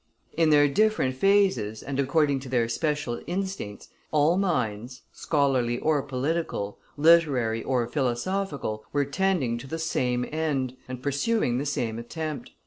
In their different phases and according to their special instincts, all minds, scholarly or political, literary or philosophical, were tending to the same end, and pursuing the same attempt.